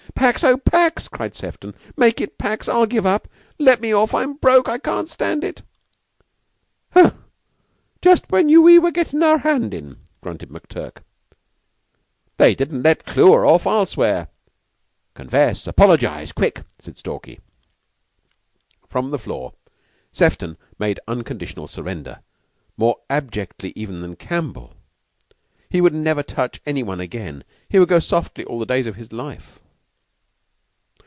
"Pax oh, pax!" cried Sefton; "make it pax. I'll give up! Let me off! I'm broke! I can't stand it!" "Ugh! Just when we were gettin' our hand in!" grunted McTurk. "They didn't let Clewer off, I'll swear." "Confess apologize quick!" said Stalky. From the floor Sefton made unconditional surrender, more abjectly even than Campbell. He would never touch any one again. He would go softly all the days of his life.